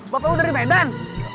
bapak ibu dari medan